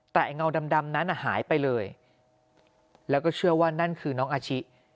แต่ไอ้เงาดำนั้นหายไปเลยแล้วก็เชื่อว่านั่นคือน้องอาชิ